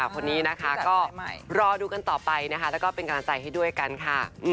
คนนี้นะคะก็รอดูกันต่อไปนะคะแล้วก็เป็นกำลังใจให้ด้วยกันค่ะ